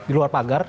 di luar pagar